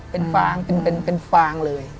เป็นฟางเป็นฟางเลย